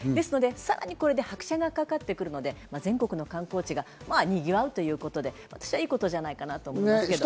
さらにこれで拍車がかかってくるので、全国の観光地がまぁ、にぎわうということで、私はいいことじゃないかなと思いますけど。